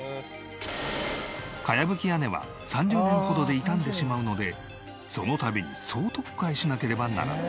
茅葺き屋根は３０年ほどで傷んでしまうのでその度に総取っ替えしなければならない。